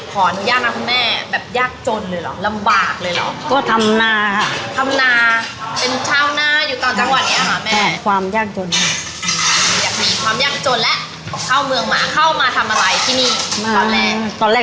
ขออนุญาตนะคุณแม่แบบยากจนเลยเหรอลำบากเลยเหรอ